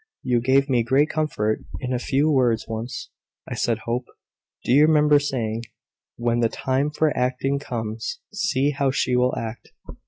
"You gave me great comfort in a few words once," said Hope. "Do you remember saying, `When the time for acting comes, see how she will act!'